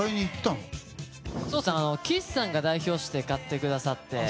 岸さんが代表して買ってくださって。